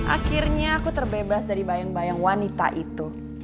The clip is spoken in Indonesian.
akhirnya aku terbebas dari bayang bayang wanita itu